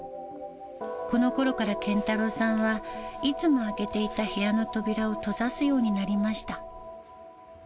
このころから謙太郎さんは、いつも開けていた部屋の扉を閉ざすようになりました。